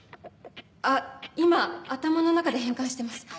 あっ今頭の中で変換してます